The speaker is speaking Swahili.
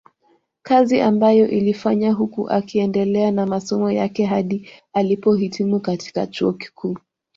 Kazi ambayo aliifanya huku akiendelea na masomo yake hadi alipohitimu katika chuo kikuu